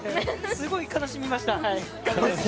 すごい悲しみました。